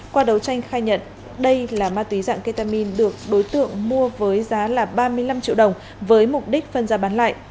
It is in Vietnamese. qua đấu tranh khai nhận đây là ma túy dạng ketamin được đối tượng mua với giá là ba mươi năm triệu đồng với mục đích phân ra bán lại